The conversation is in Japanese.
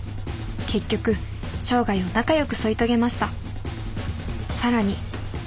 結局生涯を仲よく添い遂げました。